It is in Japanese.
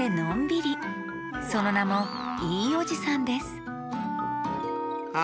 そのなも「いいおじさん」ですあ